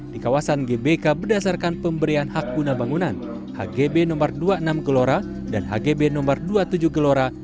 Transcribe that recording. di kawasan gbk berdasarkan pemberian hak guna bangunan hgb no dua puluh enam gelora dan hgb no dua puluh tujuh gelora